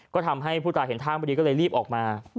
ก็ทำให้ผู้ตายเห็นทางพอดีก็เลยรีบออกมา